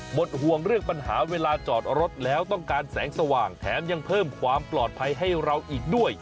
หมดห่วงเรื่องปัญหาเวลาจอดรถแล้วต้องการแสงสว่างแถมยังเพิ่มความปลอดภัยให้เราอีกด้วย